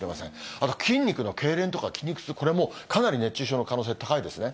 あとは筋肉のけいれんとか筋肉痛、これもかなり熱中症の可能性、高いですね。